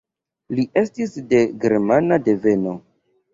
Li estis de germana deveno.